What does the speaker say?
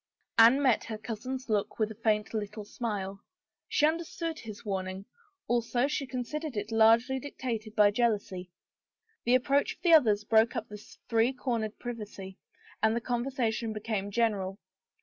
Anne met her cousin's look with a faint little smile. She understood his warning; also she considered it largely dictated by jealousy. The approach of the others broke up this three cor nered privacy and the conversation became general.